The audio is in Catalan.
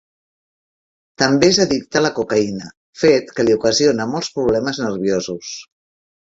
També és addicte a la cocaïna, fet que li ocasiona molts problemes nerviosos.